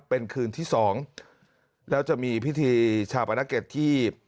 เป็นคืนที่สองแล้วจะมีพิธีชาปนกิจที่